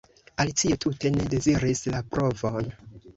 Alicio tute ne deziris la provon.